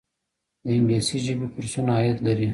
د انګلیسي ژبې کورسونه عاید لري؟